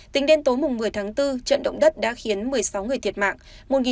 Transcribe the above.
tính đến tối một mươi tháng bốn trận động đất đã khiến một mươi sáu người thiệt mạng